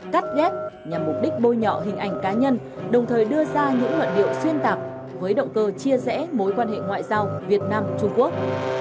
cắt ghép nhằm mục đích bôi nhọ hình ảnh cá nhân đồng thời đưa ra những luận điệu xuyên tạp với động cơ chia rẽ mối quan hệ ngoại giao việt nam trung quốc